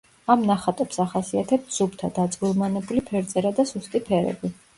ამ ნახატებს ახასიათებთ სუფთა, დაწვრილმანებული ფერწერა და სუსტი ფერები.